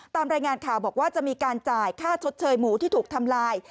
ตามรายงานข่าวบอกว่าจะมีการจ่ายค่าชดเชยหมูที่ถูกทำลาย